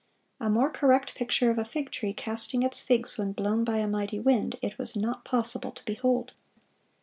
(556) "A more correct picture of a fig tree casting its figs when blown by a mighty wind, it was not possible to behold."